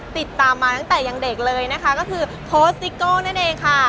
ติดตามมาตั้งแต่ยังเด็กเลยนะคะก็คือนั่นเองค่ะ